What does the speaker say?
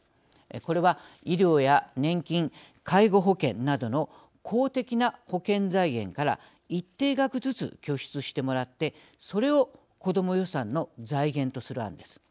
これは医療や年金介護保険などの公的な保険財源から一定額ずつ拠出してもらってそれを子ども予算の財源とする案です。